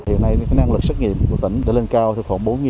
hiện nay năng lực xét nghiệm của tỉnh đã lên cao từ khoảng bốn